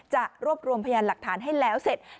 จะรวบรวมพยานหลักฐานให้แล้วเสร็จ